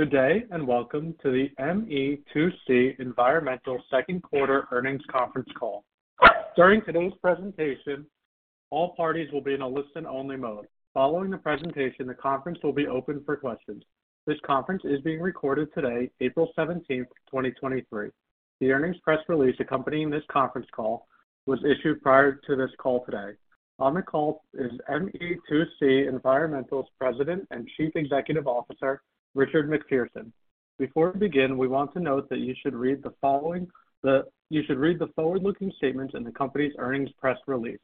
Good day. Welcome to the ME2C Environmental 2nd quarter earnings conference call. During today's presentation, all parties will be in a listen-only mode. Following the presentation, the conference will be open for questions. This conference is being recorded today, April 17, 2023. The earnings press release accompanying this conference call was issued prior to this call today. On the call is ME2C Environmental's President and Chief Executive Officer, Richard MacPherson. Before we begin, we want to note that you should read the forward-looking statements in the company's earnings press release.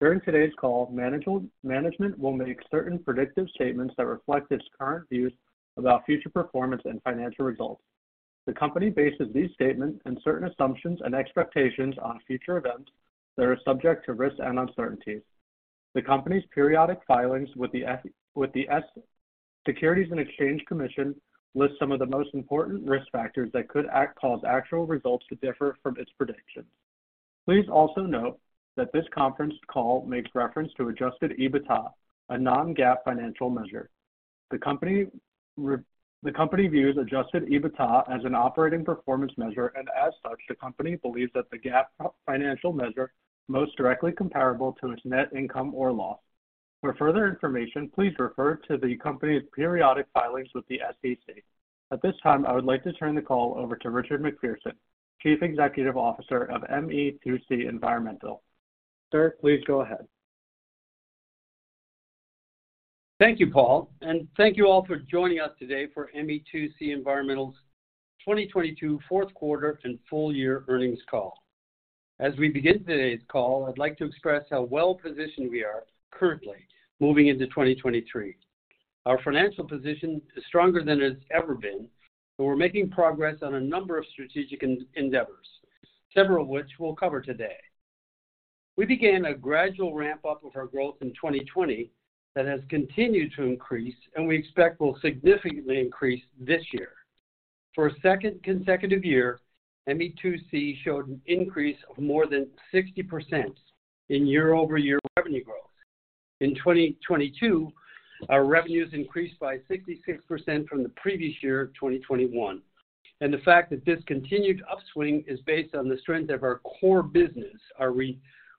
During today's call, management will make certain predictive statements that reflect its current views about future performance and financial results. The company bases these statements on certain assumptions and expectations on future events that are subject to risks and uncertainties. The company's periodic filings with the Securities and Exchange Commission list some of the most important risk factors that could cause actual results to differ from its predictions. Please also note that this conference call makes reference to Adjusted EBITDA, a non-GAAP financial measure. The company views Adjusted EBITDA as an operating performance measure, and as such, the company believes that the GAAP financial measure most directly comparable to its net income or loss. For further information, please refer to the company's periodic filings with the SEC. At this time, I would like to turn the call over to Richard MacPherson, Chief Executive Officer of ME2C Environmental. Sir, please go ahead. Thank you, Paul, and thank you all for joining us today for ME2C Environmental's 2022 fourth quarter and full year earnings call. As we begin today's call, I'd like to express how well-positioned we are currently moving into 2023. Our financial position is stronger than it's ever been, and we're making progress on a number of strategic endeavors, several of which we'll cover today. We began a gradual ramp-up of our growth in 2020 that has continued to increase and we expect will significantly increase this year. For a second consecutive year, ME2C showed an increase of more than 60% in year-over-year revenue growth. In 2022, our revenues increased by 66% from the previous year of 2021. The fact that this continued upswing is based on the strength of our core business, our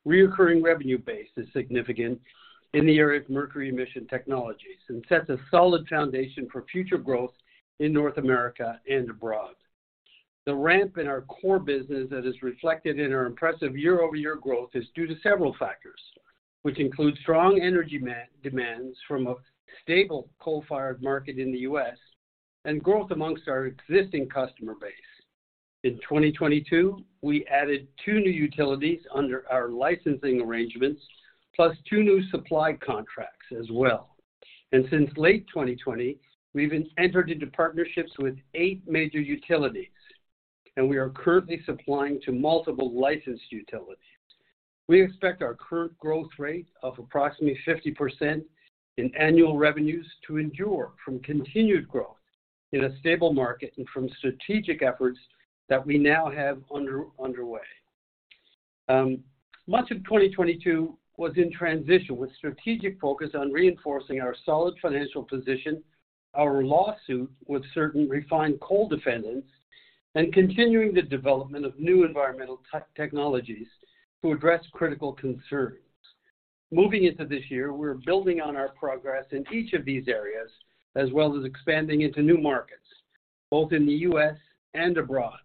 reoccurring revenue base is significant in the area of mercury emission technologies and sets a solid foundation for future growth in North America and abroad. The ramp in our core business that is reflected in our impressive year-over-year growth is due to several factors, which include strong energy demands from a stable coal-fired market in the U.S. and growth amongst our existing customer base. In 2022, we added 2 new utilities under our licensing arrangements, plus 2 new supply contracts as well. Since late 2020, we've entered into partnerships with 8 major utilities, and we are currently supplying to multiple licensed utilities. We expect our current growth rate of approximately 50% in annual revenues to endure from continued growth in a stable market and from strategic efforts that we now have underway. Much of 2022 was in transition with strategic focus on reinforcing our solid financial position, our lawsuit with certain refined coal defendants, and continuing the development of new environmental technologies to address critical concerns. Moving into this year, we're building on our progress in each of these areas, as well as expanding into new markets, both in the U.S. and abroad.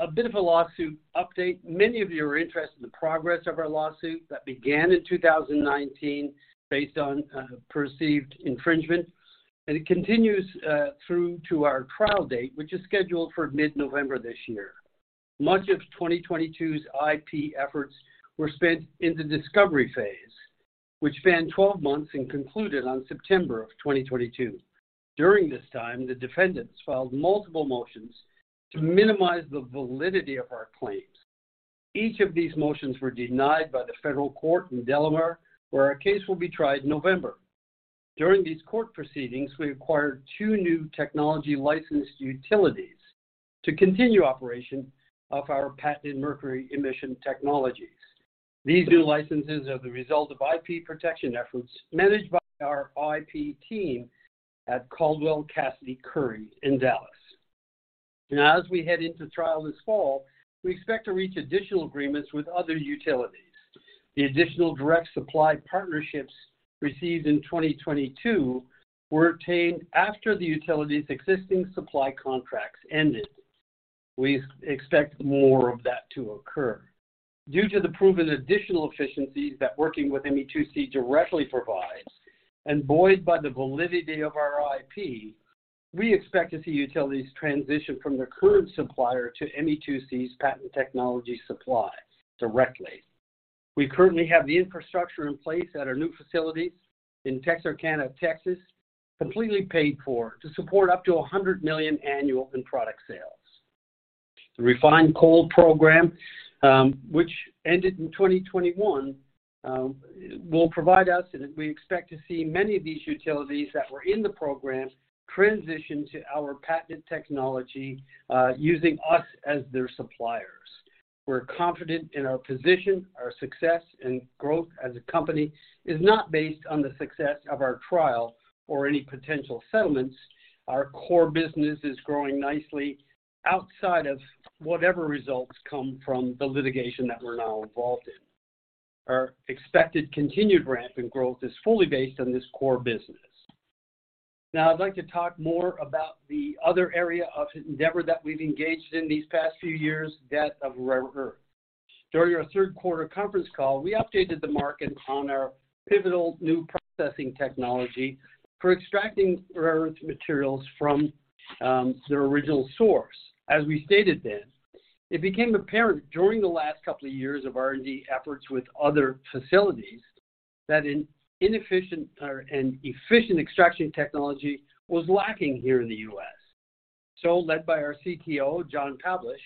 A bit of a lawsuit update. Many of you are interested in the progress of our lawsuit that began in 2019 based on perceived infringement, and it continues through to our trial date, which is scheduled for mid-November this year. Much of 2022's IP efforts were spent in the discovery phase, which spanned 12 months and concluded on September 2022. During this time, the defendants filed multiple motions to minimize the validity of our claims. Each of these motions were denied by the federal court in Delaware, where our case will be tried in November. During these court proceedings, we acquired 2 new technology-licensed utilities to continue operation of our patented mercury emission technologies. These new licenses are the result of IP protection efforts managed by our IP team at Caldwell Cassady & Curry in Dallas. As we head into trial this fall, we expect to reach additional agreements with other utilities. The additional direct supply partnerships received in 2022 were obtained after the utilities' existing supply contracts ended. We expect more of that to occur. Due to the proven additional efficiencies that working with ME2C directly provides and buoyed by the validity of our IP, we expect to see utilities transition from their current supplier to ME2C's patent technology supplies directly. We currently have the infrastructure in place at our new facilities in Texarkana, Texas, completely paid for to support up to $100 million annual in product sales. The Refined Coal Program, which ended in 2021, will provide us, and we expect to see many of these utilities that were in the programs transition to our patented technology, using us as their suppliers. We're confident in our position. Our success and growth as a company is not based on the success of our trial or any potential settlements. Our core business is growing nicely outside of whatever results come from the litigation that we're now involved in. Our expected continued ramp in growth is fully based on this core business. I'd like to talk more about the other area of endeavor that we've engaged in these past few years, that of rare earth. During our third quarter conference call, we updated the market on our pivotal new processing technology for extracting rare earth materials from their original source. As we stated then, it became apparent during the last couple of years of R&D efforts with other facilities that an efficient extraction technology was lacking here in the US. Led by our CTO, John Pavlish,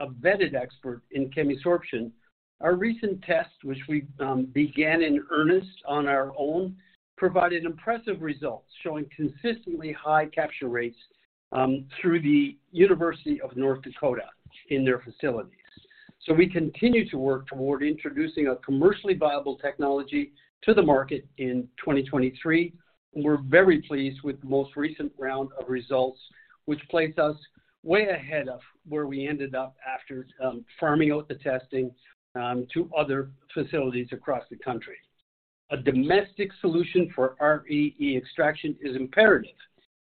a vetted expert in chemisorption, our recent test, which we began in earnest on our own, provided impressive results, showing consistently high capture rates through the University of North Dakota in their facilities. We continue to work toward introducing a commercially viable technology to the market in 2023. We're very pleased with the most recent round of results, which place us way ahead of where we ended up after farming out the testing to other facilities across the country. A domestic solution for REE extraction is imperative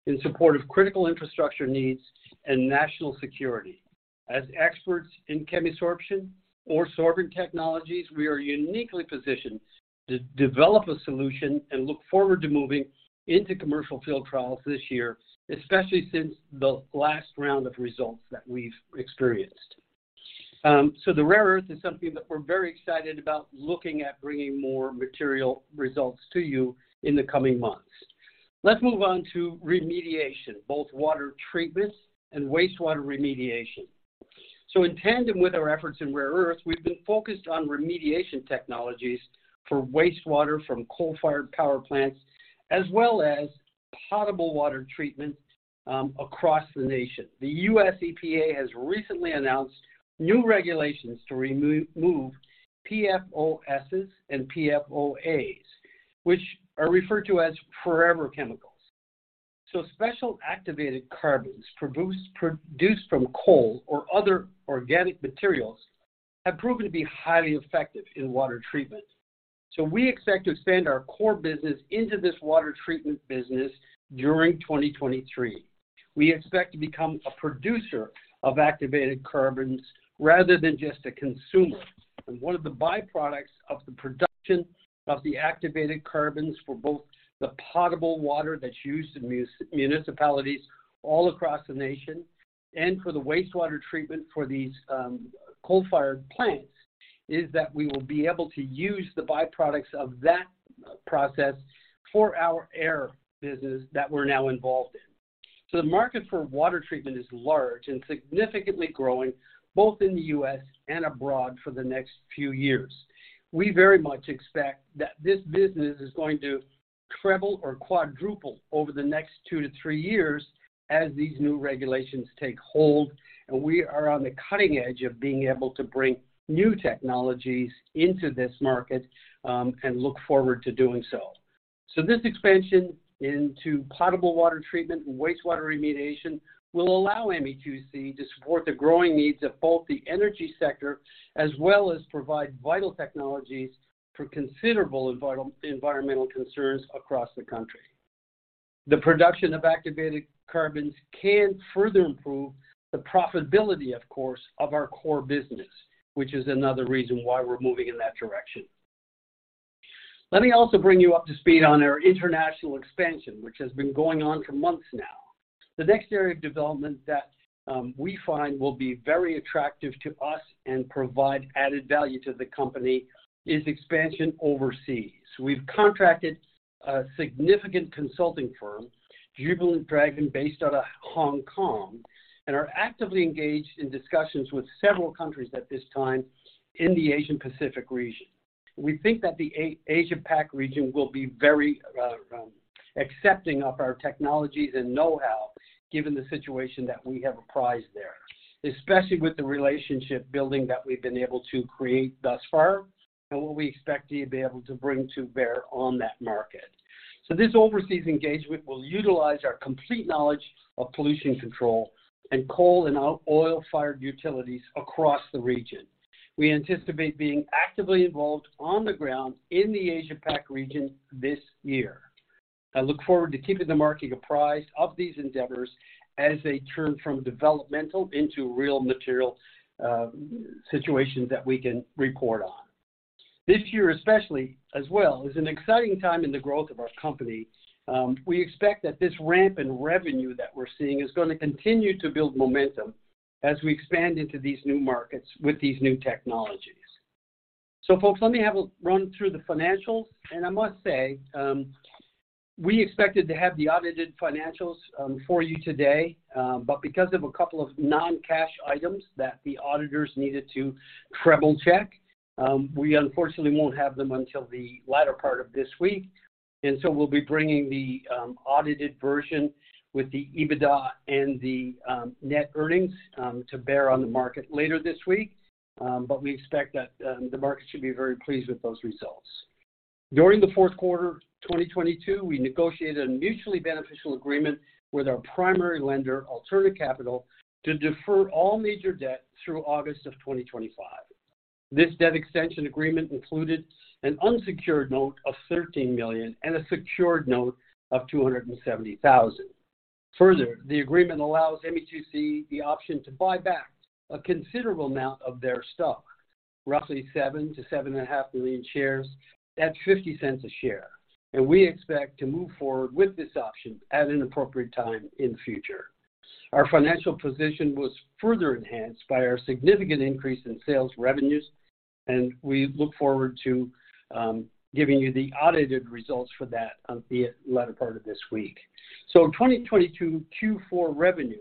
in support of critical infrastructure needs and national security. As experts in chemisorption or sorbent technologies, we are uniquely positioned to develop a solution and look forward to moving into commercial field trials this year, especially since the last round of results that we've experienced. The rare earth is something that we're very excited about looking at bringing more material results to you in the coming months. Let's move on to remediation, both water treatment and wastewater remediation. In tandem with our efforts in rare earth, we've been focused on remediation technologies for wastewater from coal-fired power plants, as well as potable water treatment across the nation. The US EPA has recently announced new regulations to remove PFOSs and PFOAs, which are referred to as forever chemicals. Special activated carbons produced from coal or other organic materials have proven to be highly effective in water treatment. We expect to expand our core business into this water treatment business during 2023. We expect to become a producer of activated carbons rather than just a consumer. One of the by-products of the production of the activated carbons for both the potable water that's used in municipalities all across the nation and for the wastewater treatment for these coal-fired plants is that we will be able to use the by-products of that process for our air business that we're now involved in. The market for water treatment is large and significantly growing both in the US and abroad for the next few years. We very much expect that this business is going to treble or quadruple over the next two to three years as these new regulations take hold, and we are on the cutting edge of being able to bring new technologies into this market and look forward to doing so. This expansion into potable water treatment and wastewater remediation will allow ME2C to support the growing needs of both the energy sector, as well as provide vital technologies for considerable environmental concerns across the country. The production of activated carbons can further improve the profitability, of course, of our core business, which is another reason why we're moving in that direction. Let me also bring you up to speed on our international expansion, which has been going on for months now. The next area of development that we find will be very attractive to us and provide added value to the company is expansion overseas. We've contracted a significant consulting firm, Jubilant Dragon, based out of Hong Kong, and are actively engaged in discussions with several countries at this time in the Asian Pacific region. We think that the Asia Pac region will be very accepting of our technologies and know-how given the situation that we have apprised there, especially with the relationship building that we've been able to create thus far and what we expect to be able to bring to bear on that market. This overseas engagement will utilize our complete knowledge of pollution control and coal and oil fired utilities across the region. We anticipate being actively involved on the ground in the Asia Pac region this year. I look forward to keeping the market apprised of these endeavors as they turn from developmental into real material situations that we can report on. This year especially as well is an exciting time in the growth of our company. We expect that this ramp in revenue that we're seeing is going to continue to build momentum as we expand into these new markets with these new technologies. Folks, let me have a run through the financials. I must say, we expected to have the audited financials for you today, but because of a couple of non-cash items that the auditors needed to treble check. We unfortunately won't have them until the latter part of this week, and so we'll be bringing the audited version with the EBITDA and the net earnings to bear on the market later this week. We expect that the market should be very pleased with those results. During the fourth quarter of 2022, we negotiated a mutually beneficial agreement with our primary lender, Alterna Capital, to defer all major debt through August of 2025. This debt extension agreement included an unsecured note of $13 million and a secured note of $270,000. Further, the agreement allows ME2C the option to buy back a considerable amount of their stock, roughly 7 to 7.5 million shares at $0.50 a share. We expect to move forward with this option at an appropriate time in the future. Our financial position was further enhanced by our significant increase in sales revenues, and we look forward to giving you the audited results for that on the latter part of this week. In 2022, Q4 revenue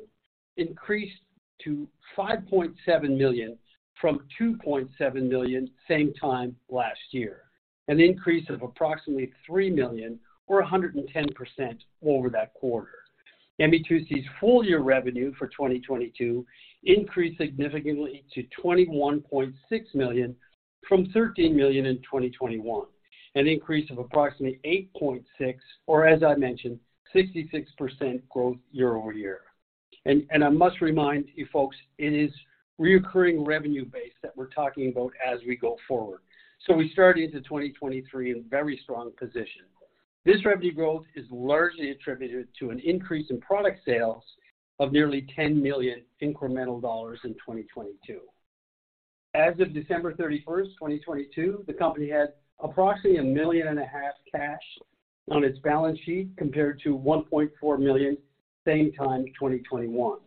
increased to $5.7 million from $2.7 million same time last year, an increase of approximately $3 million or 110% over that quarter. ME2C's full year revenue for 2022 increased significantly to $21.6 million from $13 million in 2021, an increase of approximately $8.6 million, or as I mentioned, 66% growth year-over-year. I must remind you folks, it is reoccurring revenue base that we're talking about as we go forward. We started into 2023 in very strong position. This revenue growth is largely attributed to an increase in product sales of nearly $10 million incremental dollars in 2022. As of December 31, 2022, the company had approximately a million and a half cash on its balance sheet, compared to $1.4 million same time, 2021.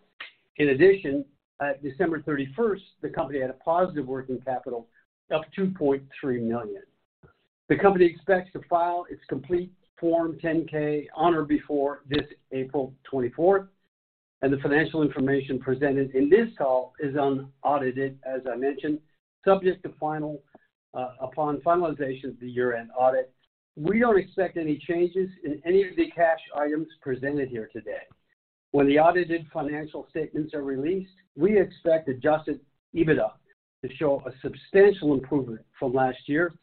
At December 31, the company had a positive working capital of $2.3 million. The company expects to file its complete Form 10-K on or before this April 24, the financial information presented in this call is unaudited, as I mentioned, subject to final, upon finalization of the year-end audit. We don't expect any changes in any of the cash items presented here today. When the audited financial statements are released, we expect Adjusted EBITDA to show a substantial improvement from last year.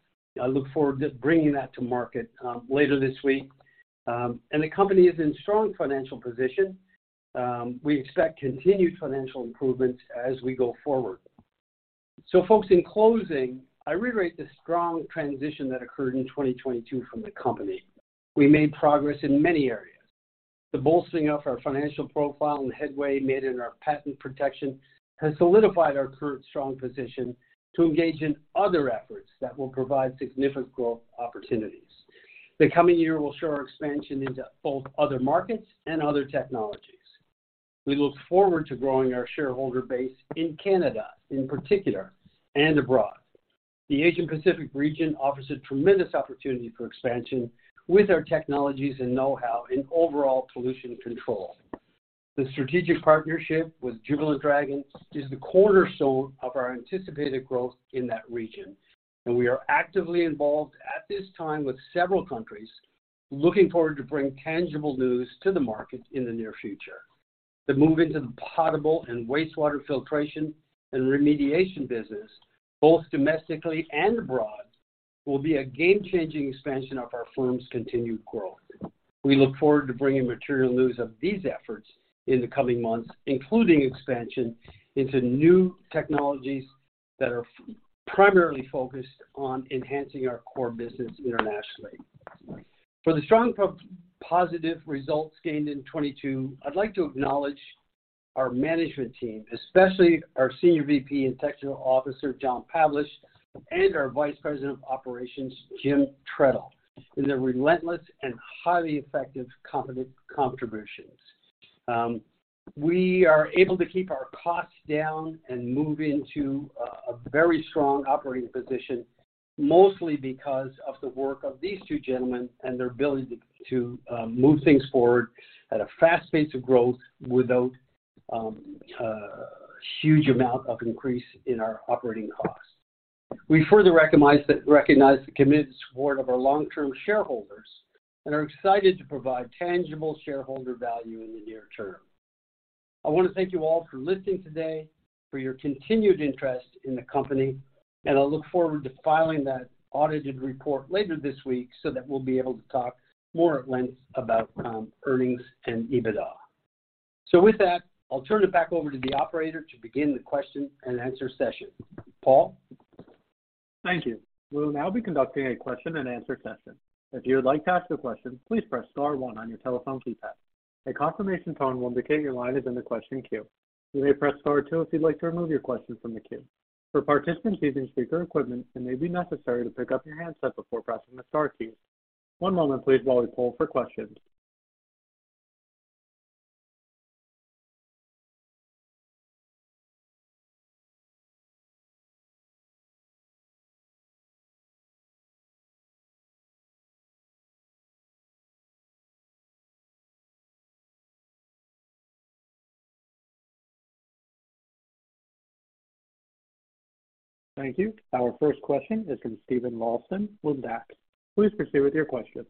I look forward to bringing that to market later this week. The company is in strong financial position. We expect continued financial improvements as we go forward. Folks, in closing, I reiterate the strong transition that occurred in 2022 from the company. We made progress in many areas. The bolstering of our financial profile and headway made in our patent protection has solidified our current strong position to engage in other efforts that will provide significant growth opportunities. The coming year will show our expansion into both other markets and other technologies. We look forward to growing our shareholder base in Canada, in particular, and abroad. The Asian Pacific region offers a tremendous opportunity for expansion with our technologies and know-how in overall pollution control. The strategic partnership with Jubilant Dragon is the cornerstone of our anticipated growth in that region, and we are actively involved at this time with several countries looking forward to bring tangible news to the market in the near future. The move into the potable and wastewater filtration and remediation business, both domestically and abroad, will be a game-changing expansion of our firm's continued growth. We look forward to bringing material news of these efforts in the coming months, including expansion into new technologies that are primarily focused on enhancing our core business internationally. For the strong positive results gained in 2022, I'd like to acknowledge our management team, especially our Senior VP and Technical Officer, John Pavlish, and our Vice President of Operations, Jim Trettel, in their relentless and highly effective contributions. We are able to keep our costs down and move into a very strong operating position, mostly because of the work of these two gentlemen and their ability to move things forward at a fast pace of growth without a huge amount of increase in our operating costs. We further recognize the committed support of our long-term shareholders and are excited to provide tangible shareholder value in the near term. I want to thank you all for listening today, for your continued interest in the company, I look forward to filing that audited report later this week so that we'll be able to talk more at length about earnings and EBITDA. With that, I'll turn it back over to the operator to begin the question and answer session. Paul? Thank you. We'll now be conducting a question and answer session. If you would like to ask a question, please press star one on your telephone keypad. A confirmation tone will indicate your line is in the question queue. You may press star two if you'd like to remove your question from the queue. For participants using speaker equipment, it may be necessary to pick up your handset before pressing the star key. One moment please while we poll for questions. Thank you. Our first question is from Steven Lawson with DAX. Please proceed with your question.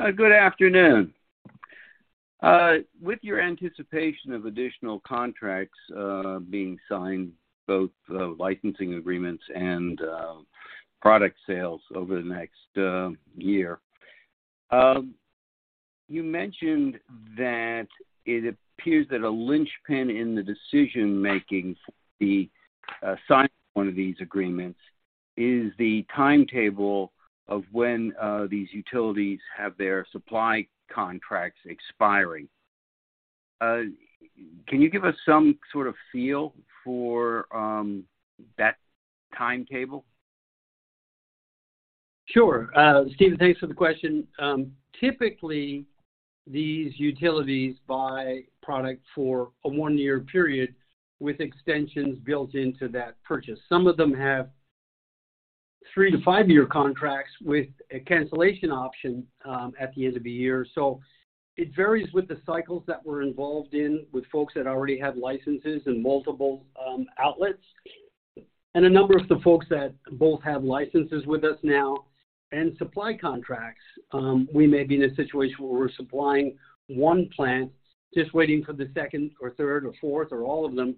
Good afternoon. With your anticipation of additional contracts, being signed, both licensing agreements and product sales over the next year. You mentioned that it appears that a linchpin in the decision-making for the signing one of these agreements is the timetable of when these utilities have their supply contracts expiring. Can you give us some sort of feel for that timetable? Sure. Steven, thanks for the question. Typically, these utilities buy product for a 1-year period with extensions built into that purchase. Some of them have 3-5-year contracts with a cancellation option at the end of the year. It varies with the cycles that we're involved in with folks that already have licenses in multiple outlets. A number of the folks that both have licenses with us now and supply contracts, we may be in a situation where we're supplying 1 plant just waiting for the 2nd or 3rd or 4th or all of them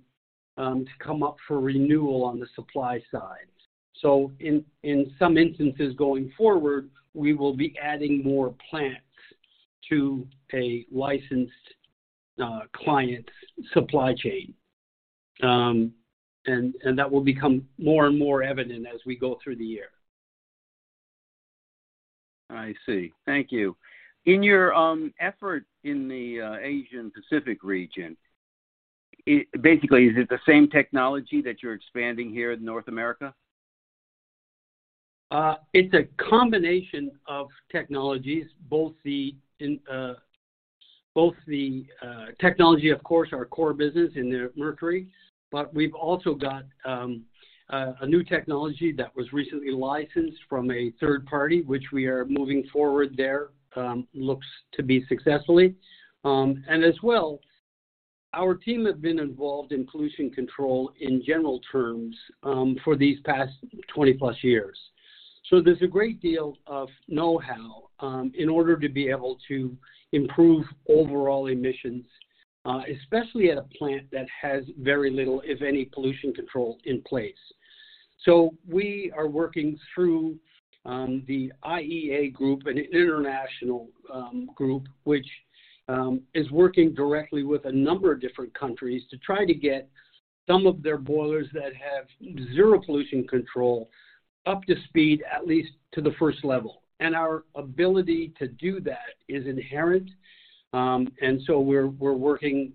to come up for renewal on the supply side. In, in some instances going forward, we will be adding more plants to a licensed client's supply chain. And that will become more and more evident as we go through the year. I see. Thank you. In your effort in the Asian Pacific region, basically, is it the same technology that you're expanding here in North America? It's a combination of technologies, both the technology, of course, our core business in the mercury, but we've also got a new technology that was recently licensed from a third party, which we are moving forward there, looks to be successfully. As well, our team have been involved in pollution control in general terms for these past 20+ years. There's a great deal of know-how in order to be able to improve overall emissions, especially at a plant that has very little, if any, pollution control in place. We are working through the IEA group, an international group, which is working directly with a number of different countries to try to get some of their boilers that have 0 pollution control up to speed, at least to the 1st level. Our ability to do that is inherent, we're working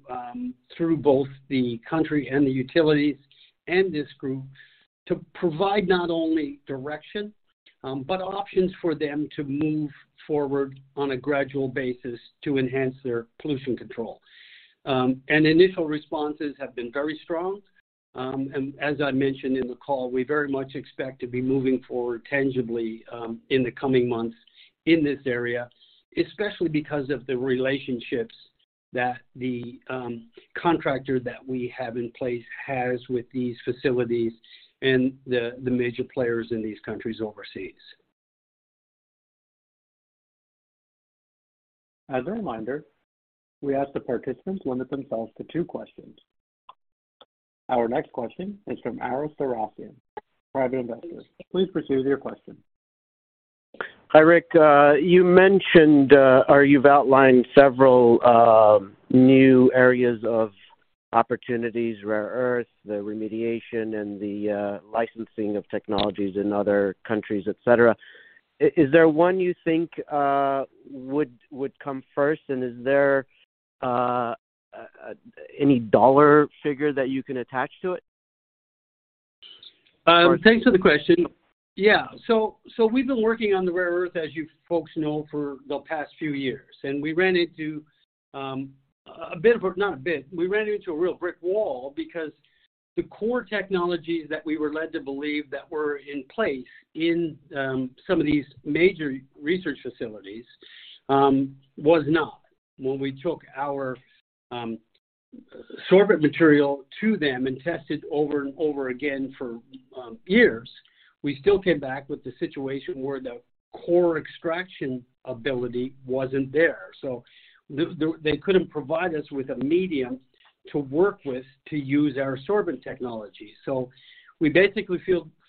through both the country and the utilities and this group to provide not only direction, but options for them to move forward on a gradual basis to enhance their pollution control. Initial responses have been very strong. As I mentioned in the call, we very much expect to be moving forward tangibly in the coming months in this area, especially because of the relationships that the contractor that we have in place has with these facilities and the major players in these countries overseas. As a reminder, we ask the participants limit themselves to two questions. Our next question is from Ara Sorasian, Private investor. Please proceed with your question. Hi, Rick. You mentioned, or you've outlined several new areas of opportunities, rare earth, the remediation, and the licensing of technologies in other countries, et cetera. Is there one you think would come first, and is there any dollar figure that you can attach to it? Thanks for the question. Yeah. We've been working on the rare earth, as you folks know, for the past few years. We ran into not a bit. We ran into a real brick wall because the core technologies that we were led to believe that were in place in some of these major research facilities was not. When we took our sorbent material to them and tested over and over again for years, we still came back with the situation where the core extraction ability wasn't there. They couldn't provide us with a medium to work with to use our sorbent technology. We basically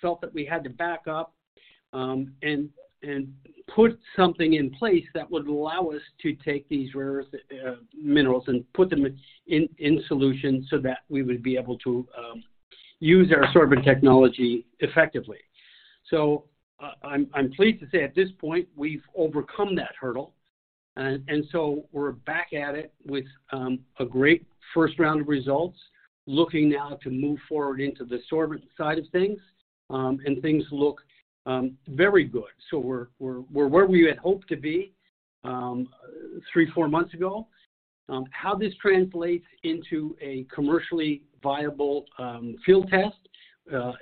felt that we had to back up and put something in place that would allow us to take these rare earth minerals and put them in solution so that we would be able to use our sorbent technology effectively. I'm pleased to say at this point, we've overcome that hurdle. We're back at it with a great first round of results, looking now to move forward into the sorbent side of things. Things look very good. We're where we had hoped to be three, four months ago. How this translates into a commercially viable field test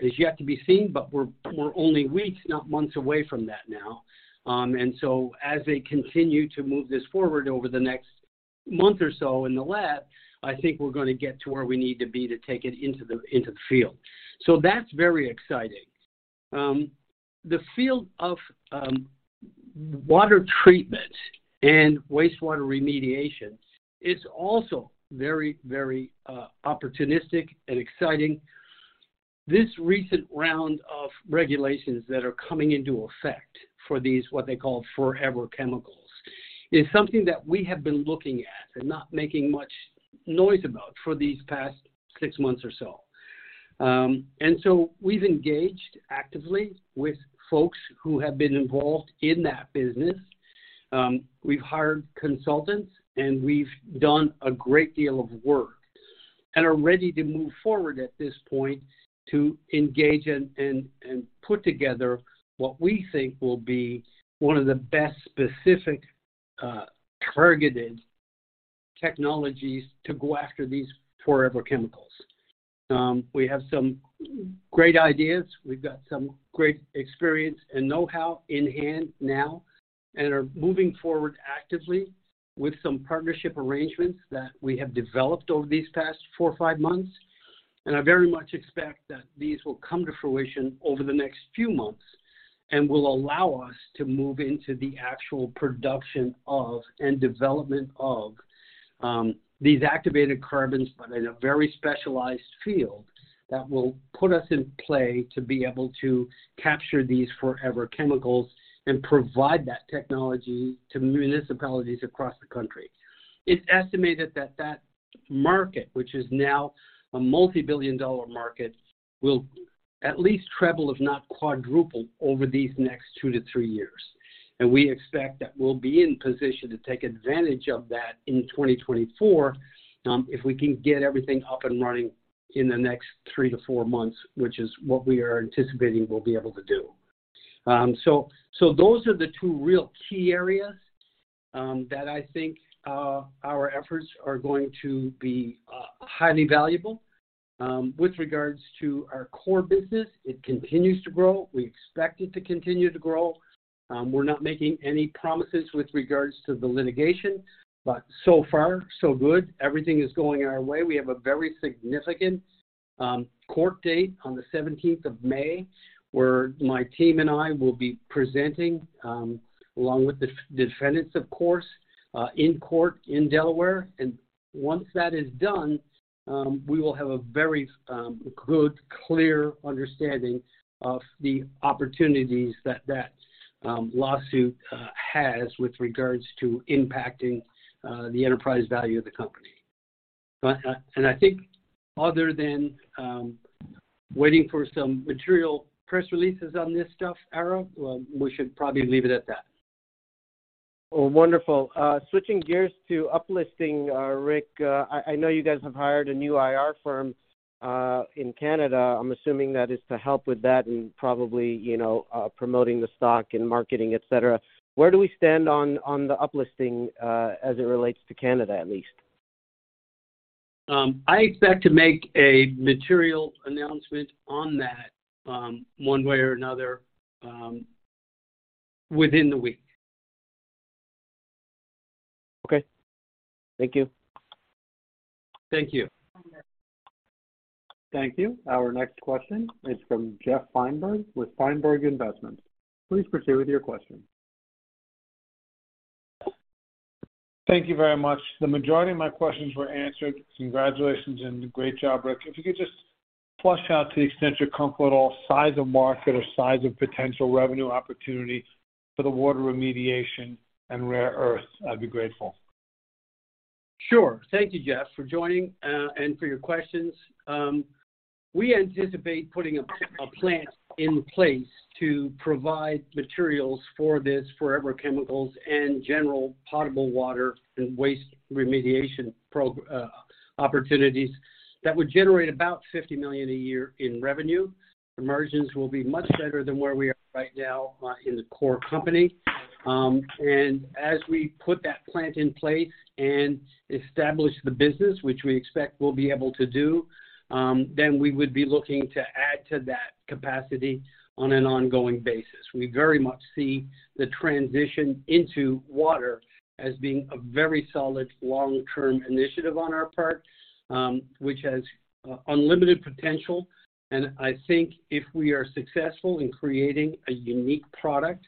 is yet to be seen, but we're only weeks, not months away from that now. As they continue to move this forward over the next month or so in the lab, I think we're going to get to where we need to be to take it into the field. That's very exciting. The field of water treatment and wastewater remediation is also very, very opportunistic and exciting. This recent round of regulations that are coming into effect for these, what they call forever chemicals, is something that we have been looking at and not making much noise about for these past 6 months or so. We've engaged actively with folks who have been involved in that business. We've hired consultants, and we've done a great deal of work and are ready to move forward at this point to engage and put together what we think will be one of the best specific, targeted technologies to go after these forever chemicals. We have some great ideas. We've got some great experience and know-how in hand now and are moving forward actively with some partnership arrangements that we have developed over these past 4 or 5 months. I very much expect that these will come to fruition over the next few months and will allow us to move into the actual production of and development of, these activated carbons but in a very specialized field that will put us in play to be able to capture these forever chemicals and provide that technology to municipalities across the country. It's estimated that that market, which is now a multibillion-dollar market, will at least treble if not quadruple over these next 2-3 years. We expect that we'll be in position to take advantage of that in 2024, if we can get everything up and running in the next 3-4 months, which is what we are anticipating we'll be able to do. Those are the two real key areas that I think our efforts are going to be highly valuable. With regards to our core business, it continues to grow. We expect it to continue to grow. We're not making any promises with regards to the litigation, but so far so good. Everything is going our way. We have a very significant court date on the 17th of May, where my team and I will be presenting along with the defendants, of course, in court in Delaware. Once that is done, we will have a very good, clear understanding of the opportunities that that lawsuit has with regards to impacting the enterprise value of the company. I think other than waiting for some material press releases on this stuff, Ara, well, we should probably leave it at that. Well, wonderful. Switching gears to uplisting, Rick, I know you guys have hired a new IR firm in Canada. I'm assuming that is to help with that and probably, you know, promoting the stock and marketing, et cetera. Where do we stand on the uplisting, as it relates to Canada, at least? I expect to make a material announcement on that, one way or another, within the week. Okay. Thank you. Thank you. Thank you. Our next question is from Jeff Feinberg with Feinberg Investments. Please proceed with your question. Thank you very much. The majority of my questions were answered. Congratulations and great job, Rick. If you could just flush out to the extent you're comfortable, size of market or size of potential revenue opportunity for the water remediation and rare earths, I'd be grateful. Sure. Thank you, Jeff, for joining and for your questions. We anticipate putting a plant in place to provide materials for these forever chemicals and general potable water and waste remediation opportunities that would generate about $50 million a year in revenue. Margins will be much better than where we are right now in the core company. As we put that plant in place and establish the business, which we expect we'll be able to do, then we would be looking to add to that capacity on an ongoing basis. We very much see the transition into water as being a very solid long-term initiative on our part, which has unlimited potential. I think if we are successful in creating a unique product,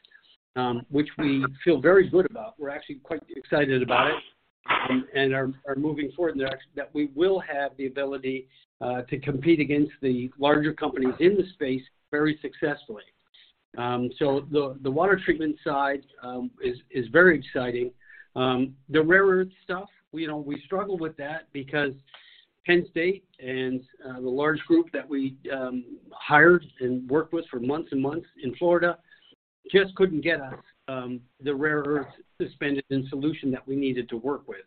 which we feel very good about, we're actually quite excited about it, and are moving forward in that we will have the ability to compete against the larger companies in the space very successfully. The water treatment side is very exciting. The rare earth stuff, you know, we struggled with that because Penn State and the large group that we hired and worked with for months and months in Florida just couldn't get us the rare earths suspended in solution that we needed to work with.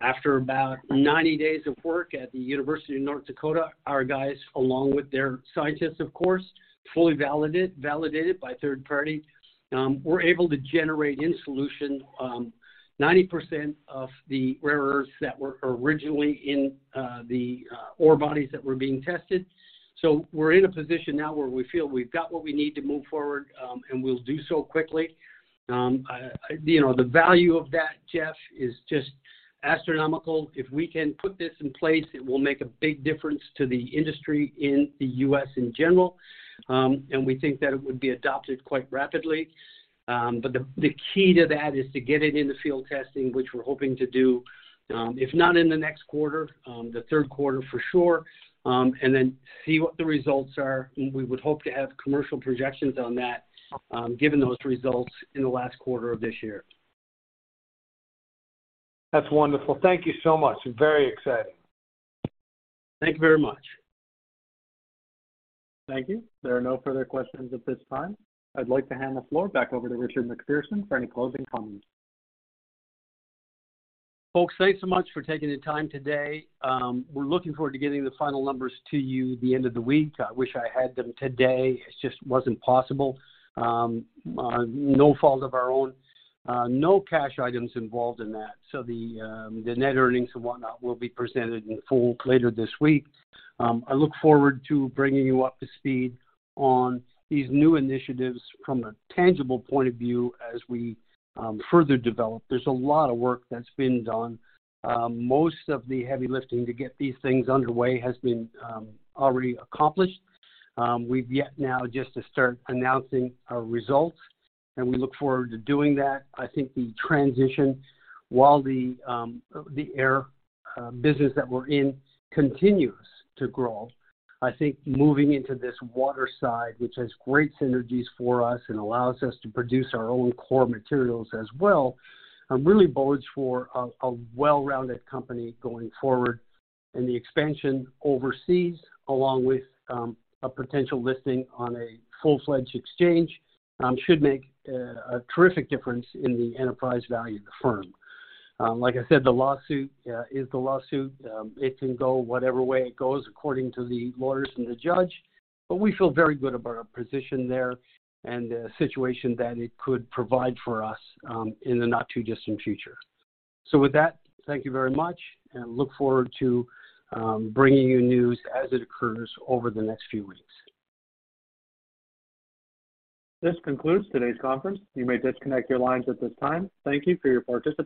After about 90 days of work at the University of North Dakota, our guys, along with their scientists, of course, fully validated by third party, were able to generate in solution 90% of the rare earths that were originally in the ore bodies that were being tested. We're in a position now where we feel we've got what we need to move forward, and we'll do so quickly. you know, the value of that, Jeff, is just astronomical. If we can put this in place, it will make a big difference to the industry in the U.S. in general. We think that it would be adopted quite rapidly. But the key to that is to get it into field testing, which we're hoping to do, if not in the next quarter, the third quarter for sure, and then see what the results are. We would hope to have commercial projections on that, given those results in the last quarter of this year. That's wonderful. Thank you so much. Very exciting. Thank you very much. Thank you. There are no further questions at this time. I'd like to hand the floor back over to Richard MacPherson for any closing comments. Folks, thanks so much for taking the time today. We're looking forward to getting the final numbers to you at the end of the week. I wish I had them today. It just wasn't possible. No fault of our own. No cash items involved in that. The net earnings and whatnot will be presented in full later this week. I look forward to bringing you up to speed on these new initiatives from a tangible point of view as we further develop. There's a lot of work that's been done. Most of the heavy lifting to get these things underway has been already accomplished. We've yet now just to start announcing our results, and we look forward to doing that. I think the transition, while the air business that we're in continues to grow. I think moving into this water side, which has great synergies for us and allows us to produce our own core materials as well, really bodes for a well-rounded company going forward. The expansion overseas, along with a potential listing on a full-fledged exchange, should make a terrific difference in the enterprise value of the firm. Like I said, the lawsuit is the lawsuit. It can go whatever way it goes according to the lawyers and the judge, but we feel very good about our position there and the situation that it could provide for us in the not-too-distant future. With that, thank you very much, and look forward to bringing you news as it occurs over the next few weeks. This concludes today's conference. You may disconnect your lines at this time. Thank you for your participation.